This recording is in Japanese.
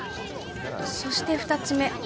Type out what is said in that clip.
そして２つ目。